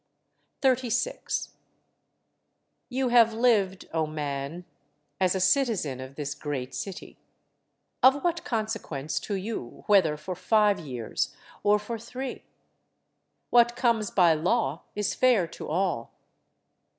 36. You have lived, O man, as a citizen of this great city; of what consequence to you whether for five years or for three? What comes by law is fair to all.